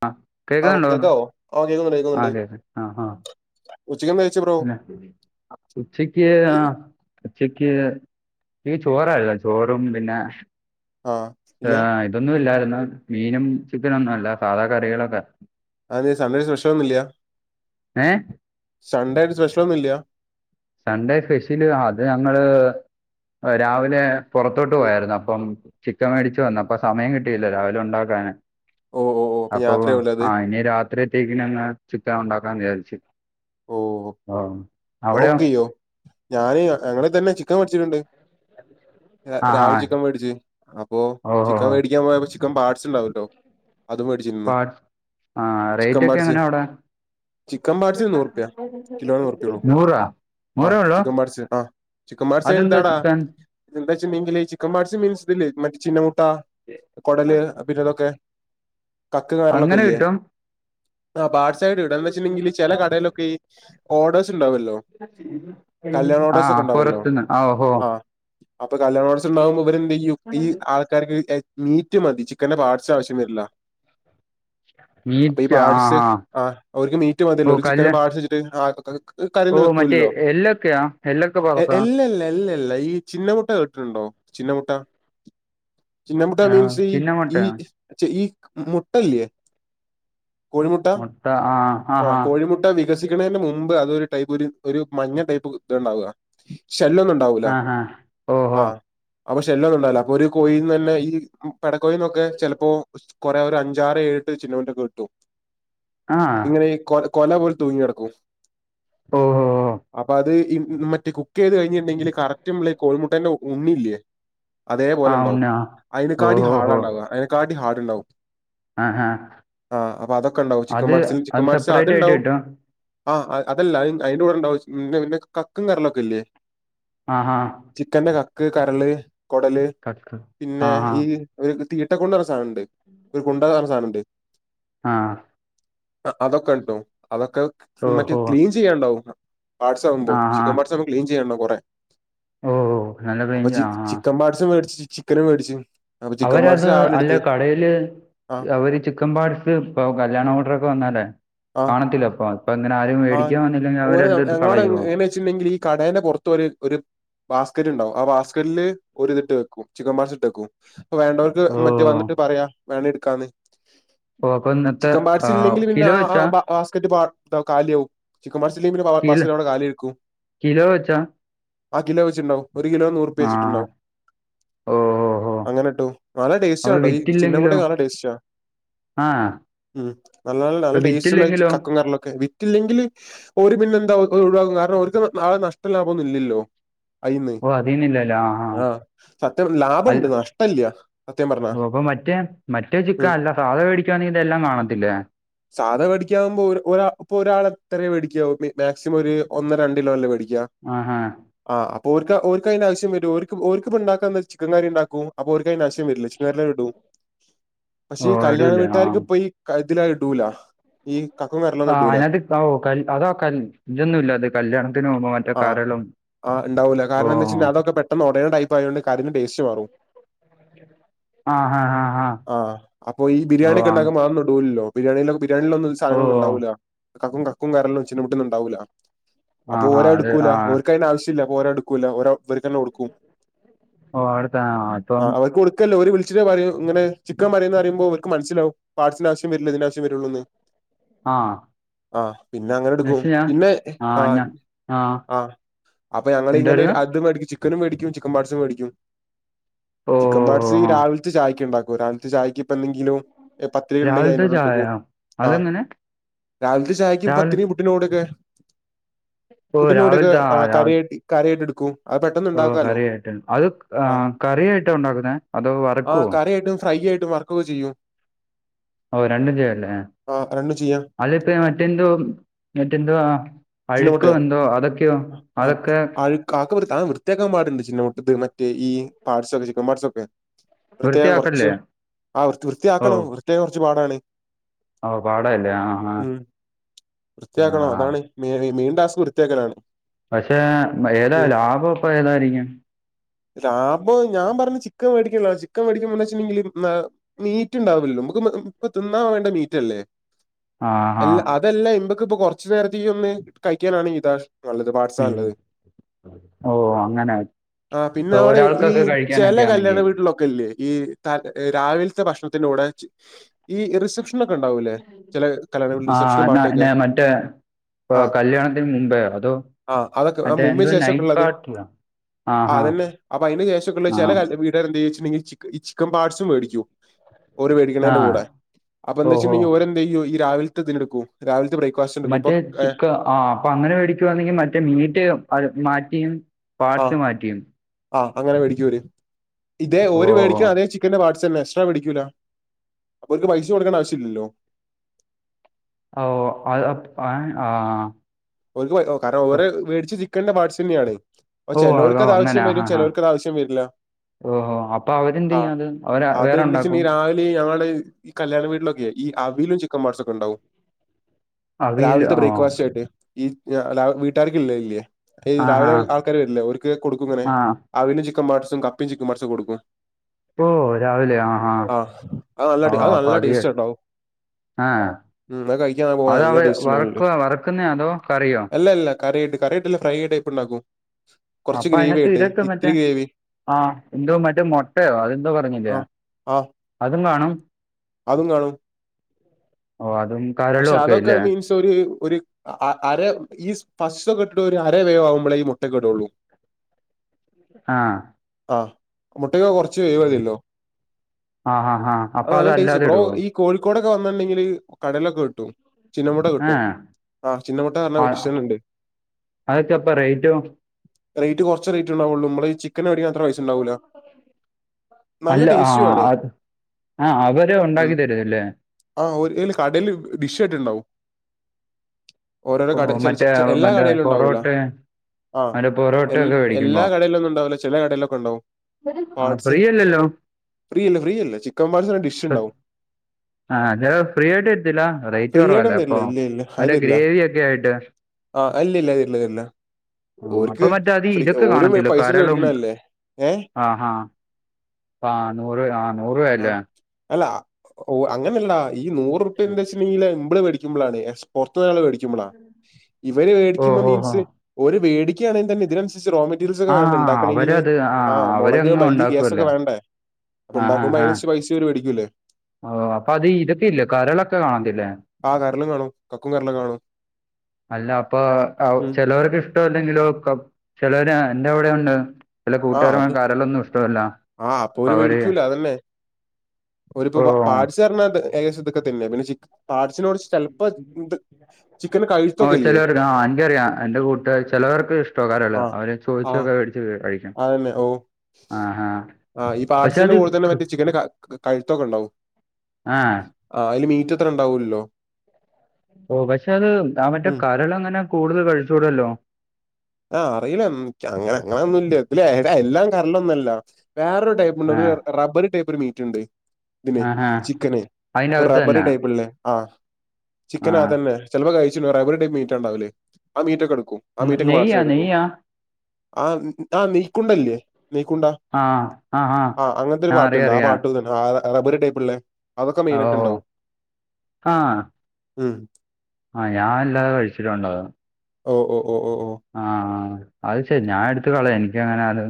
ആ ആ ഓക്കെ ട്ടോ കേക്കുന്നുണ്ട് കേൾക്കാം ആഹ് ആഹ് ഉച്ചക്കന്താ കഴിച്ച് ബ്രോ പിന്നെ ഉച്ചക്ക് ആ ഉച്ചക്ക് ഈ ചോറല്ല ചോറും പിന്നെ ആഹ് പിന്നെ ഇതൊന്നും ഇല്ലായിര്ന്ന മീനും ചിക്കനൊന്നു അല്ല സാധാ കറികളൊക്കെ അതെ സൺ‌ഡേ സ്പെഷ്യൽ ഒന്നൂല്ല്യ ഏഹ് സൺഡേആയിട്ട് സ്പെഷ്യൽ ഒന്നൂല്യ സൺഡേ സ്പെഷ്യല് അത് ഞങ്ങള് രാവിലെ പുറത്തോട്ട് ഉം പോയായിരുന്നു അപ്പം ചിക്കൻ മേടിച്ച് വന്ന അപ്പ സമയം കിട്ടിയില്ല രാവിലെ ഉണ്ടാക്കാന് ഓഹ് ഓഹ് ഓഹ് അപ്പൊ രാത്രിയാവുല്ലേ അത് ആ ഇനി രാത്രിയത്തേക്കിനങ്ങ ചിക്കൻ ഉണ്ടാക്കാൻ വിചാരിച്ചു ഓഹ് ഓ ബ്രോ അവിടെയൊ കുക്കെയ്യോ ഞാന് അങ്ങനെതന്നെ ചിക്കൻ വേഠിച്ചിട്ടുണ്ട് ആഹ് രാവിലെ ആഹ് ചിക്കൻ വേടിച്ചു അപ്പൊ ഓഹോ ചിക്കൻ ഹോ വേടിക്കാൻ പോയപ്പൊ ചി ചിക്കൻ പാട്സ് ഉണ്ടാവല്ലോ അതും മേടിച്ചിന്ന് ആഹ് ചിക്കൻ റേറ്റ് ഒക്കെ പാട്സ് എങ്ങനാ അവിടെ ചിക്കൻ പാട്സിന് നൂറുപ്യ കിലോനൂ ർപ്പള്ളു നൂറാ ആ നൂറേ ഉള്ളൂ ചിക്കൻ പാഡ്സ് ആ ചിക്കൻ പാഡ്സ് അയില് അതെന്താ എന്താടാ ചിക്കൻ ഇത ന്താച്ചങ്കില് ചിക്കൻ പാട്സ് മീൻസ് തില്ലേ മറ്റേ ചിന്നമൂട്ട കൊടല് പിന്നെതൊക്കെ കക്ക് കരൾ ലൊക്കെ അങ്ങനെ ഇല്ല്യെ കിട്ടും ആപാട്സായിട്ട് ഇടാന്ന് വച്ചിട്ടുണ്ടെങ്കിൽ ചില കടയിലൊക്ക ഓഡേഴ്സ് ഉണ്ടാവുല്ലോ ആഹ് ഉണ്ടാവല്ലോ പുറത്തുന്ന് ഹോ ആ അപ്പൊ കല്യാണംടച്ചു ഉണ്ടാവുമ്പോ ഇവരെന്തയ്യും ഈ ർ മീറ്റ് മതി ചിക്കന്റെ പാടസാവശ്യം വരില്ല അപ്പൊ ഈ മീറ്റ് ആ പാട്സ്‌ ആ ആഹ്‌ അവർക്ക് മീറ്റ് ഓ മതില്ലോ ഒരു ചി കല്ല് കൊർച് കൈഞ്ഞിട്ട് ആ ഓ കറിയൊന്നും മറ്റേ വെക്കുല്ലല്ലോ എല്ലൊക്കെയാ എല്ലൊക്കെ പുറത്താ ല്ല ല്ല ല്ല ല്ല ഈ ചിന്ന മുട്ട കേട്ടിട്ടുണ്ടോ ചിന്ന മുട്ട ചിന്ന മുട്ട ആ മീൻസ് ഈ ചിന്ന ഈ മുട്ടയാ ചി ഈ മുട്ടല്ലേ കോഴിമുട്ട മുട്ട ആ ആ ആഹ്‌ ആ കോഴിമുട്ട മുട്ട വികസിക്കുന്നതിന് മുമ്പ് അതരു ടൈപ്പ് ഒരു മഞ്ഞ ടൈപ്പ് ഇത് ഉണ്ടാവുക ശെല്ന്നുണ്ട ണ്ടാവൂല ആ ആ ഓഹോ ആഹ്‌ അപ്പൊ ശെല്ല്ലൊന്നുണ്ടാവില്ല അപ്പൊ ഒരു കോഴയിന്ന്ന്നെ ഈ പെടകോയിന്നൊക്കെ ചെലപ്പോ കുറെ ഒരു അഞ്ചാറ് ഏഴട്ട് ചിക്കന്റെ കിട്ടു ആഹ്‌ ആഹ്‌ ന കൊല പോലെ തൂങ്ങിടക്കും ഓഹോ ഓ അപ്പ അത് മറ്റ ചെയ്ത് കഴിഞ്ഞിട്ടണ്ടെങ്കില് കറക്റ്റ് കോഴി മുട്ടേന്റെ ഉണ്ണില്ലേ ആ അതേപോലെ ഉണ്ടാവും ഉണ്ണ അയിനെക്കാട്ടി ഹാട് ഓഹോഹോ ഉണ്ടാവുക അയിനെക്കാട്ടി ഹാട് ഉണ്ടാവും ആ ആ ആഹ് അപ്പൊ അതൊക്കെ ഉണ്ടാവും ചിക്കൻ അത് പാട്സിൽ അത് ചിക്കൻ പാട്സി സെപ്പറേറ്റ് ആയിട്ട് അത്ണ്ടാവും കിട്ടും ആ് അതല്ല അയിന്റെ കൂടെ ഉണ്ടാവ പിന്നെ കക്കും കരളൊക്കെ ഇല്ലേ ആഹ്‌ ആഹ്‌ ചിക്കന്റെ കക്ക് കരള് കൊടല് കക്ക് പിന്നെ ആഹ്‌ ഈ ആഹ്‌ ഒരു തീട്ട കൊണ്ട സാധനണ്ട് ഒരു കൊണ്ട സാധനണ്ട് ആഹ്‌ ആ അതൊക്കെ ണ്ടാവും അതൊക്കെ മറ്റെ ഓഹോ ക്ലീൻ ചെയ്യാണ്ടാവും പാട്സ് ആകുമ്പോ ആ ആ ചിക്കൻ പാഡ്സ് ച്ചൊന്ന് ക്ലീൻ ചെയ്യണം കൊറെ ഓ നല്ല അപ്പൊ റേഞ്ച് ചി ആ ആ ചിക്കൻ പാഡ്സ് മേടിച് ക്കന് മേടിച്ചു അവരത് അല്ല കടയില് ആഹ് അവര് ചിക്കൻ പാഡസ് ഇപ്പൊ കല്യാണം ഉം ഓർഡർ ഒക്കെ വന്നാലേ ആഹ് കാണത്തില്ല അപ്പൊ ഇപ്പൊങ്ങനാരും മേടിക്കൻ വന്നില്ലെങ്കി അവരതെടുത്തു കളയോ? ച്ചില്ലെങ്കിലീ കടേലെ പുറത്തൊരു ഒര് ബാസ്ക്കറ്റ് ഇണ്ടാവും ആ ബാസ്ക്കറ്റില് ഒരിതിട്ട് വെക്കും ചിക്കൻ പാട്സ് ഇട്ടെക്കും വേണ്ടോർക്ക് ഓ മറ്റ് വന്നിട്ട് പറയാ വേണേ എടുക്കാന്ന് ഓ അപ്പൊ ഇന്നത്തെ ചിക്കൻ ആ, പാട്സ് ഇല്ലെങ്കില് പിന്നെ കിലോ ആ ആ വെച്ചാ പ ബാസ്ക്കറ്റ് ബാൾ തൗ കാലിയാവും ചിക്കൻ പാഡ്സ് ഇല്ലെങ്കി പിന്നെ ബാ വ കിലോ ബാസ്ക്കറ്റ് അവിടെ കാലിയായിരിക്കും കിലോ വെച്ചാ ആ കിലോ വെച്ചിട്ടു ണ്ടാവും ഒരു കിലോ നൂറുപ്യ ആ വെച്ചിട്ടുണ്ടാവും ഓ ഓ ഓ അങ്ങനെട്ടും നാല്ല അപ്പൊ ടേസ്റ്റാണട്ടോ ഈ ചിന്ന മുട്ട വിറ്റില്ലെങ്കിലോ നല്ല ടേസ്റ്റാ ആ ഉം നല്ല നല്ല അപ്പൊ നല്ല ടേസ്റ്റ്ള്ള ചി വിറ്റില്ലെങ്കിലോ [unintelligible] വിറ്റില്ലെങ്കില് ഓര് പിന്നെ എന്താവും ഒഴിവാക്കും കാരണം ഓർക്ക് നാളെ നഷ്ടംല്ലാഭൊന്നും ഇല്ല്യല്ലോ അയിന്ന് ആ സത്യം പറഞ്ഞ അല്ല ലാഭണ്ട് നഷ്ടല്ല്യ ഓ അപ്പൊ മറ്റേ മറ്റേ ചിക്ക ഉം അല്ല സാദാ വേടിക്കാണെങ്കി ഇതെല്ലാം കാണത്തില്ലേ സാദാ വേടിക്ക ക്കാവുമ്പോ ഒര് ഒരാ ഇപ്പൊ ഒരാള് എത്ര വേടിക്കാവും മി മാക്സിമം ഒരു ഒന്നോ രണ്ടിലോ അല്ലേ വേടിക്ക ആ ഹാ ആ അപ്പോര്ക്ക് ഓര്ക് അയിന്റെ ആവശ്യം വരു ഓര്ക് ഇപ്പൊ ഇണ്ടാക്കുന്ന ചിക്കൻ കറി ഉണ്ടാക്കും അപ്പൊ ഓര്ക്കിയിന്റാവശ്യം വരില്ല ചിക്കൻ കറിലണ്ടിടും പക്ഷേ ഓ ഈ കല്യാണ ഇടൂല്ലേ ആ വീട്ടാർക്ക് ഇപ്പൊ യീ കഴുതിലായിടൂല ഈ കക്കും ആ കറലൊന്നും ഇടൂല അയിനകത്ത് [unintelligible] അതോ ക ഇതൊന്നും ഇല്ല അത് കല്യാണത്തിന് പോവുമ്പോ മറ്റേ കരളും ഉണ്ടാവൂല ഓ കാരണംന്ത വെച്ചയ്ഞ അതൊക്കെ പെട്ടന്ന് ഉടയുണ് ടൈപ്പ ആയോണ്ട് കറിന്റെ ടേസ്‌റ്റ് മാറും ആ ഹാ ഹാ ഹാ ആ അപ്പൊ ഈ ഓ ആ ബിരിയാണിക്കെണ്ടാക്കുമ്പൊ അതൊന്നും ഇടുലല്ലോ ബിരിയാണിയിലെ ബിരിയാണയിലൊന്നും ഈ ഓ സാധനങ്ങളൊന്നും ഉണ്ടാവൂല കക്കും കരളും ചിന്നമുട്ടെന്നുംണ്ടാവൂല ആ അപ്പൊ ഹാ ഓരഹ് അത് ടുക്കൂല ആ ഓര്ക്കയിന്റെ ആവശ്യല്ല അപ്പ ഓരോഹ്ട്കൂല ഓരോ ഇവര്ക്കന്നെ കൊടുക്കും ഓ അടുത്ത ആ അപ്പം അവര്ക്ക് കൊടു. ക്കല്ലോ ഓര് വിളിച്ചിട്ടണ്ട് പറിം ഇങ്ങനെ ചിക്കൻ പറിന്നറിമ്പോ ഓര്ക്ക് മനസിലാവും പാട്സിന് ആവശ്യം വരില്ല ഇതിനാവശ്യം വരുള്ളൂന്ന് ആ ആ പിന്നെ അങ്ങനെ ഇടുക്കും നശിയ പിന്നെ ആ. ആ അപ്പൊ ഞങ്ങളിങ്ങനെ എന്തായിരുന്നു അത് മേടിക്കും ചിക്കനും മേടിക്കും ചിക്കൻ പാട്സും മേടിക്കും. ഓ ചിക്കൻ പാട്സ് ഈ ആ രാവിൽത്തെ ഛായയ്ക്ക് ഉണ്ടാക്കു രാവിൽത്തെ ഛായക്ക് ഇപ്പെന്തെങ്കിലും. എ പത്തിരി ഉണ്ടെങ്കി രാവിലത്തെ അയിനോട് എടുക്കും ചായയോ ആ അതെങ്ങനെ രാവിലത്തെ ഛായക്ക് രാവിലെ പത്തിരി. പു ട്ടിനുടൊക്കെ ഓ പുട്ടിനോടൊക്കെ രാവിലത്തെ ആ കറി രാവിലെ ആയിട്ട് കറി ആയിട്ട് ഇടുക്കും. അത് പെട്ടെന്ന് ഓ ഉണ്ടാക്കാലോ കറിയായിട്ട് അത് ആ കറിയായിട്ടാ ഉണ്ടാക്കുന്നേ അതോ ആ വറക്കുവോ കറിയായിട്ടും ഫ്രൈ ആയിട്ടും വർ ക്കൊകെ ചെയ്യും. ഓ രണ്ടുംചെയ്യാല്ലേ. ആരണ്ടും ചെയ്യ അതിപ്പെ മറ്റെൻന്തു മറ്റെന്തോ ആ. ചിന്ന അഴുക്കോ മുട്ടയോ എന്തോ അതൊക്കെയോ അതൊക്കെ. കാക്ക വൃ അത് വൃത്തിയാക്കാൻ പാടുണ്ട് ചിന്നമുട്ടത് മറ്റേഈ പാട്സൊക്കെ ചിക്കൻ പാട്സൊക്കെ. വൃത്തിയാകം കുറച്ച് വൃത്തിയാക്കല്ലേ ആവൃത്തി ഓ വൃത്തിയാക്കണം വൃത്തിയാകാം കുറച്ച് പാടാണ്. ഓ പാട അല്ലേ ആ. ആ ഉം വൃത്തിയാക്കണോ ആ അതാണ് മെയിൻ ടാസ്ക് വൃത്തിയാക്കലാണ്. പക്ഷെ ഏതാ ഉം ലാഭം ഇപ്പൊ ഏതായിരിക്കും. ലാഭം ഞാൻ പറഞ് ചിക്കൻ വേടിക്കല്ലോ ചിക്കൻ വേടിക്കുമ്പോ വെച്ചിട്ടുണ്ടെങ്കില്. മീറ്റ് ഉണ്ടാവില്ലല്ലോ നമുക്ക് ഇപ്പ തിന്നാൻ വേണ്ട മീറ്റല്ലേ ആ ആ എല്ല അ ഇതല്ല ഇപക്ക് ഇപ്പൊ കൊറച്ചു നേരത്തേക്ക് ഒന്ന് കഴിക്കാനാണ് ഇത നല്ലത് പാട്സാ ഉം നല്ലത്. ഓ അങ്ങനെ ആ പിന്നെ ഇപ്പൊ അവിടെ ഈ ഒരാൾക്കൊക്കെ ചില കഴിക്കാനൊക്കെ കല്യാണ ആണെങ്കിൽ വീട്ടിലൊ കെയില്ലേ ഈ രാവിൽത്തെ ഭക്ഷണത്തി ഈ റിസപ്‌ഷൻ ആഹ എന്ന പാട്ടൊക്കെ എന്നെ മറ്റേ. ആ കല്യാണത്തിന് മുമ്പേ അതോ ആ അതൊക്കെ ആ അതേ മുമ്പിന് എന്ത ശേഷമൊക്കെ നൈറ്റ് ഉള്ളത് പാർട്ടിലോ. അതന്നെ അപ്പ അയ്ന്റെ ശേഷം ഒക്കുള്ള ചിലക വിട്ടിൽ ഇ എന്താ ച്ണ്ടെങ്ങി ചിക്കൻഈ ചിക്കെൻ പാർട്സും മേടിക്കും ഓര് ആ ആ മേടിക്കണേന്റെ കൂടെ. അപ്പ എന്ന് ഓഹോ വെച്ചട്ടുണ്ടെങ്ങി ഓരെന്ത്യ്യും ഈ രാവിൽത്തെ ഇതിനെടുക്കും രാവിൽതെ ബ്രേക്ഫാസ്റ്റ്ന്ന് ഇട്ക്കും പോ മറ്റേ ഏ. ചിക്ക ആ അപ്പൊ അങ്ങനെ മേടിക്കുവാണെങ്കിൽ മറ്റേ മീറ്റ് മാറ്റിയും. പാർട്സ് ആഹ് മാറ്റിയും ആഹ് അങ്ങനെ മേടിക്കര് ഇതേ ഓ ഒരു മേടിക്കും അതേ ച് ചിക്ക്ന്റെ പാട്സന്നേ എക്സ്ട്രാപിടിക്കൂല അപ്പൊ ഓൽക്ക് പൈസ കൊടുക്കണ്ടെ ആവശ്യ ഇില്ലല്ലോ. ഓ [unintelligible] ആഹ് ഒൽക്ക് കാരണം ഓര് മേടിച്ച ചിക്കന്റെ പാർട്സ് എന്നെയാണ്. അ ഓ അത് ചേലോർക്ക് അതവശ്യം വരും ചേലോർക്ക് അത് ആവശ്യം വെര്ല്ല. ഓഹോ അപ്പൊ അവര്ന്ത് ചെയ്യു അത് അവര് വേറെണ്ടാകൊ. പന്നെ ഈ രാവിലെ ഈ ആള് ഈ കല്യാണ വീട്ടിലൊക്കെയ ഈ അവിലും ചിക്കൻ പാട്സും ഒക്കെ ഉണ്ടാവും. അവിയൽ രാവിൽത്തെ ഓ ബ്രേക്കഫാസ്റ്റ് അയിറ്റ്. ഈ വീട്ടുകാർക് ഇല്ല ഇല്ലേ ഈ ആ ഹാ രാവിലെ ആൾക്കാർ വരില്ലേ ഒരുക്ക് കൊടുക്കും ഇങ്ങനെ. ആ അവിലും ചിക്ക പാട്സും കപ്പി ചിക്കൻ പാട്സും കൊടുക്കും. ഓ രാവിലെ ആഹ് അത് നല്ല ടേ- ആഹ് അത് അപ്പ നല്ല അതി ടേസ്റ്റ് ഉണ്ടാവും. ആഹ് ഉം അത് കഴിക്കാൻ പോവാൻ അത നല്ല അവ ടേസ്റ്റ് വറക്ക വറക്കുന്നേ അതോ കറിയോ. ഇല്ല ഇല്ല കറിയിട്ട് കറിയിട്ടല്ല ഫ്രൈ ആയ്ട്ട് ടയിപ്പ് ഉണ്ടകും. അപ്പ അതിനകത്ത് [unintelligible] മറ്റേ ഗ്രേവി ആഹ് എന്തോ മറ്റേ മുൊട്ടയോ അതെന്തോ പറഞ്ഞില്ല ആഹ് ആഹ് അതും കാണും. അതും കാണും. ഓ അതും. പക്ഷെ കരളും ഒക്കെ അതൊക്കെ ഇല്ലേ മീൻസ് ഒര് ഒര്. അര ഈ [unintelligible] ഒരു അര വേവ ആവുമ്പോളേ ഈ മുട്ടക്കെഇടൊള്ളൂ. ആഹ് ആഹ് മുട്ടയ് കുറച്ച് വേഴതില്ലോ ആഹ് ആഹ് ആഹ് അപ്പൊ അത് നല്ല ടേസ്റ്റ് അതല്ലാതെ ബ്രോ ഇടുവോ ഈ കോഴിക്കോടൊക്കെ വന്നിണ്ടെങ്കില് കടലൊക്കെ കിട്ടും ചിന്നമുട്ട കിട്ടും ഏഹ് ആഹ് ചിന്നമുട്ട പറഞ്ഞ ഒരുഷനുണ്ട് അതൊക്കെപ്പ റേറ്റും റേറ്റ് കുർച്ചെ ഉണ്ടാവുള്ളൂ നമ്മ ചിക്കൻ എട [inaudible] നല്ല അല്ല ആ ടേസ്റ്റും ആണ്. അത് ആ അവര് ഉണ്ടാക്കി ഉം തരുന്നല്ലേ ആ ഒരുല് കടയില് വിഷയിട്ടുണ്ടാവും ഓരോരോ ഓ, കട മറ്റേ ച എല്ലാ മറ്റേ കടയിലും ഉണ്ടാവൂല പൊറോട്ട ആഹ് മറ്റേ പൊറോട്ട എ ഒക്കെ മേടിക്കുമ്പോ എല്ലാ കടയിലും ഒന്നും ഉണ്ടാവല ചില കടയിലൊക്കെ ഉണ്ടാവും ആ പാർസ് ഫ്രീ അല്ലല്ലോ ഫ്രീ ഇല്ല ഫ്രീ ഇല്ല ചിക്കൻ പാട്സ് ഡിഷ് ഉണ്ടാവും ആഹ് ചില ഫ്രീ ആയിട്ട് എത്തില്ല റേറ്റ് ഫ്രീ കുറവല്ലേ ആയിട്ടൊന്നും തരില്ല. അപ്പോൾ ഇല്ല അവ് ഗ്രേവി ഒക്കെ ആയിട്ട് ആഹ് ഇല്ല്യ ഇല്ല്യ ഇതില്ലല്ല. ആ, അപ്പൊ ഓർക്ക് മറ്റേ അത് ഫ്രീ ഇതൊക്കെ ഓര് കാണത്തില്ല പൈസട്ത്ത് കരളും മേടിക്കണല്ലേ ഏഹ്. ആഹാ ആ നൂറ് ആ നൂറ് ആ രൂപല്ലേ? അല്ല ഓ അങ്ങനെല്ലാ ഈ നൂറ്പ്യ എന്ത ല് മ്മ്ള് മേടിക്കുമ്പോളാണ് പൊർത്തുരാള് മേടിക്ക്പളാ ഇവര് ഓ മേടിക്കുമ്പോ ഓ ഓ മീൻസ് ഓര്‌ വേടിക്ക്യാണെ തന്നെ ഇതിനൻസസ്‌രി റോങ് രിസൊക്കെ ആ വേണ്ട ഇണ്ടാക്കണെങ്കില് അവരത് ആ മുളക്, അവരങ്ങ് മല്ലി, ഗ്യസൊക്കെ ഉണ്ടാക്കുവല്ലേ വേണ്ടേ? ആഹ് ആഹ് ആഹ്. പൈസൂര് പടിക്കൂല്ലേ ഓ അപ്പൊ അത് ഇര്തീല്ലെ കരളൊക്കെ കാണ് ണ്ട്ല്ലേ. ആ കരള് കാണും കക്കും കരളും ഒക്കെ കാണും. അല്ല അപ്പൊ അവ് ഉം ചെലോർക്ക് [unintelligible] ചെലോര് അന്റെ അവ്ടെണ്ട് ചെല ആ കൂട്ടുകാര അത് കരളൊന്നും ഇഷ്ടല്ല ആ അപ്പ അവര് അതന്നെ. ഒരുപ്പോ ഓ പാട്സ്ർഞ്ഞാ ഏകദേശം ഇതൊക്കെ തന്നെ പിന്നെ ചി പാട് സിനോട് ചെലപ്പോ ഇണ്ട്. ചിക്കൻ കഴ് ഓ ചെലര് ആ എനിക്കറിയാം എന്റെ കൂട്ട്കാര് ചെലവർക്ക് ഇഷ്ട കരള്അവര് ചോയ്ച്ചൊക്കെ മേടിച്ച് കഴിക്കും. അതെനെ ഓ. ആഹാ ആ ഈ പക്ഷെ പാട്‌സിന് അത് കൂടുതലും മറ്റേ ചിക്ന്റെ ക കയ്ത്തൊക്കെണ്ടാവും. ആ ആ അയ്ല് മീറ്റത്രണ്ടാവൂല്ലോ. ഓ പക്ഷെ അത് ആ മറ്റേ ഉം കരള് അങ്ങനെ കൂടുതൽ കഴിച്ചൂടല്ലോ? ആ അറീല ക്യാ അങ്ങനെ അങ്ങനൊന്നുംല്ല ഇതിലേട എല്ലാം കര്ളൊന്നുല്ല വേറൊരു ടൈപ്പ് [unintelligible] ആ ഒര് റബ്ബർ ടൈപ്പ് ഒര് മീറ്റ്ണ്ട്. ത്‌ല് ആഹാ ചിക്കന് അതിന്റെ അകത്ത് റബ്ബറി തന്നെ ടൈപ്പ്ല്ലേ ആ. ചിക്കന് ആ തന്നെ ചെൽപ്പോ കയ്ച്ച്ണ്ടാവും [unintelligible] മീറ്റാണ്ടാവല് ആ മീറ്റ ഒക്കെ എട്ക്കും. ന്നെ നെയ്യാ നെയ്യാ. ആ ആ നീക്കുണ്ടല്ല്യ നീക്കുണ്ടാ ആ ആ അങ്ങൻത്തൊരു അറിയാം പാട്ണ്ട് ആ അറിയാം പാട്ട് ആ അതേ പോലെ ടൈപ്പ്ല്ലേ അതൊക്കെ ഓ മെയ്നായിട്ട്ണ്ടാവും ഉം. ആ ഞാല്ലാതെ കയ്ച്ച്ടാവ്‌ല. മ് മ് മ് മ്. ആ അത് ശരി ഞാൻ എട്ത്ത് കളിം ഇൻക്കങ്ങനെ അത്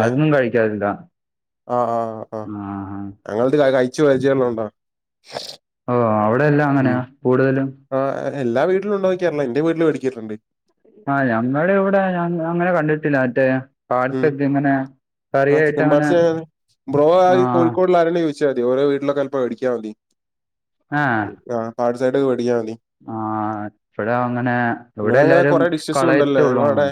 അതൊന്നും കഴിക്കാറില്ലാ. അ ആ ആ ഞങ്ങൾത് കയ്ച്ച് പര്ചയള്ളോണ്ടാ. ഓ അവ്ടെല്ലാം അങ്ങനെയാ കൂടുതലും ആ എല്ലാ വീട്ട്ലുണ്ടോക്യറില്ല എന്റെ വീട്ടില് വേടിക്കല്ണ്ട്. ആ ഞങ്ങളവിടെ അങ്ങനെ കടിണ്ടില്ല മറ്റേ ഉം പാഴ്സെദ്യങ്ങനെ ആ ചിക്കൻ കറിയെട്ടങ്ങനെ ആ ള്ളാരോട് ചോയ്ച്ചാതി ഓല വീട്ടിലൊക്കെ മേടിക്കാതി ആഹ്. പാ ട്സായിട്ടൊക്കെ മേടിക്കാമതി. ആ ഇവടങ്ങനെ ഇവിടെ അങ്ങനെ എല്ലാരും കുറെ ഡിഷസ് ഉണ്ടല്ലോ കളയതൊള്ളൂ ഞങ്ങളുടെ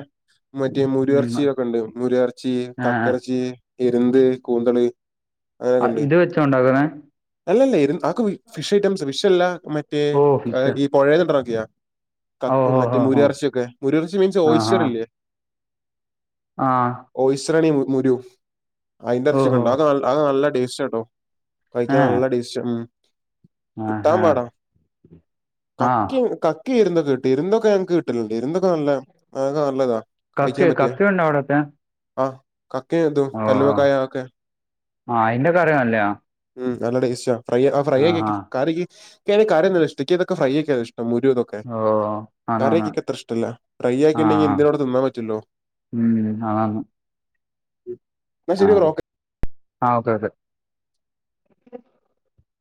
മറ്റേ മൂര്യർച്ചിയൊക്കെണ്ട് മൂര്യർച്ചി ആഹ് കക്കറച്ചി, എര്ന്ത്, കൂന്തള്. ആ ഇത് വെചോണ്ടാക്ക്ണെ അല്ലല്ലെ ഇത് ആക്ക് ഫിഷ് ഐറ്റംസ് ഫിഷല്ല മറ്റേ ഓ ആ ഫിഷ് ഈ പൊഴേലൊക്ക്യാ ഓ കക്ക് ഹോ മറ്റേ ഹോ ഹോ മൂര്യർ ച്യോക്കെ മൂര്യർച്ചി മീൻസ് ആഹ് ആഹ് ഓയ്ച്ചറില്ലേ ആഹ് ഓയ്സ്രണി മുരു അയ്ന്റെ ഇറച്ചിക്ക ഓഹോ ഉണ്ടോ അ അത് നല്ല ടേസ്റ്റ് ആട്ടോ കഴിക്കാൻ ഏഹ് നല്ല ടെസ്റ്റാ ഉം ആഹ് കിട്ടാൻ ആഹ് പാട. ആ ആഹ് ആകിം എരുന്ത് കിട്ടി എരുന്ത് ഞങ്ങക്ക് കിട്ടലുണ്ട് ഇരുന്തൊക്കെ നല്ല നല്ലതാ കക്ക കഴിക്കാൻ പറ്റിയ കക്കുണ്ടോ ഉണ്ടോ അവിടോകെ ആ കക്ക ഇതും കല്ലുമക്കായ ആത് ക്കെ. ആ അയിന്റെ കറിയാണല്ലേ ആ ഉം നല്ലടെ ടെസ്റ്റാ ഫ്രൈ ഫ്രൈ ആക്കി ആ വെക്കും കാറിക്ക്. എനിക്ക് അറിയില്ല ഇഷ്ടം ഫ്രൈ ആക്കിയാലണ് ഇഷ്ടം മരു ഇതൊക്കെ ഓ കറി ആന്നാന്ന് എനിക്ക് അത്ര ഇഷ്ടമല്ല. ഫ്രൈ ആ ആക്കിണ്ടെങ്കിണ് ആ. എന്തിനോട് തിന്നാൻ പറ്റുല്ലോ. ഉം ആഹ് എന്നാ ശരി ബ്രോ ആഹ് ആ ഓക്കെ ഓക്കെ